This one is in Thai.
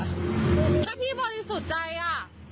ถ้าพี่บริสุทธิ์ใจอ่ะ